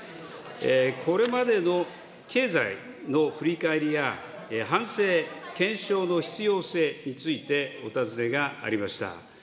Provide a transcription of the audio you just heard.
これまでの経済の振り返りや、反省、検証の必要性について、お尋ねがありました。